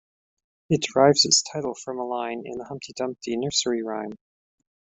It derives its title from a line in the Humpty Dumpty nursery rhyme.